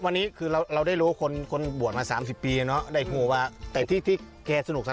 วันนี้คือเราได้รู้ว่าคนบ่วนมาสามสิบปีเนอะได้โหว่าแต่ที่ที่แกสนุกสนับ